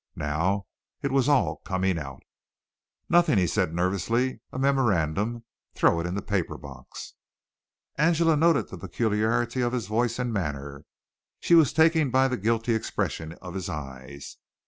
Now it was all coming out. "Nothing," he said nervously. "A memorandum. Throw it in the paper box." Angela noted the peculiarity of his voice and manner. She was taken by the guilty expression of his eyes.